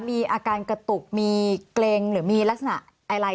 มีอาการกระตุกมีเกร็งหรือมีลักษณะอะไร